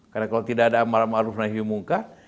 karena kalau tidak ada amal ma'ruf nafi mungkar